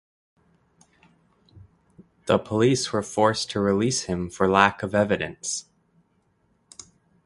The police were forced to release him for lack of evidence.